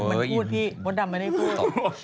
มันพูดพี่มดดำมันไม่ได้พูด